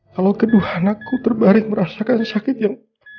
kalau kedua anakku terbareng merasakan sakit yang